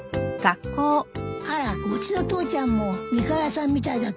あらうちの父ちゃんも三河屋さんみたいだと思うわ。